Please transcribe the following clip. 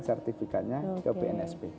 sertifikatnya ke bnsp